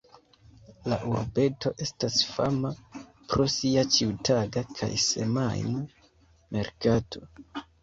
La urbeto estas fama pro sia ĉiutaga kaj semajna merkato.